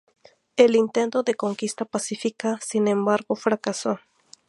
El intento de conquista pacífica, sin embargo, fracasó.